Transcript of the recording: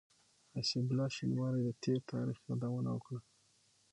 حسيب الله شينواري د تېر تاريخ يادونه وکړه.